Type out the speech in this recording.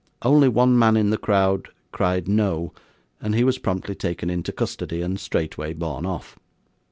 Only one man in the crowd cried 'No!' and he was promptly taken into custody, and straightway borne off.